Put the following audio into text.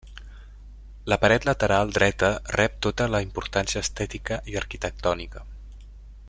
La paret lateral dreta rep tota la importància estètica i arquitectònica.